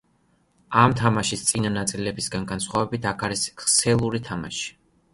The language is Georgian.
ამ თამაშის წინა ნაწილებისგან განსხვავებით აქ არის ქსელური თამაში.